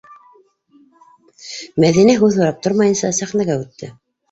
Мәҙинә һүҙ һорап тормайынса сәхнәгә үтте.